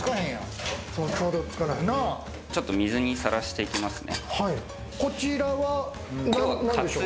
ちょっと水にさらしていきますね。